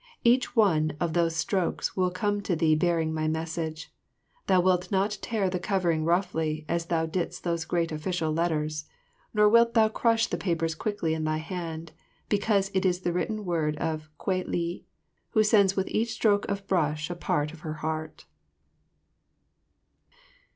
Each one of these strokes will come to thee bearing my message. Thou wilt not tear the covering roughly as thou didst those great official letters; nor wilt thou crush the papers quickly in thy hand, because it is the written word of Kwei li, who sends with each stroke of brush a part of her heart.